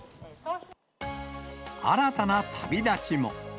新たな旅立ちも。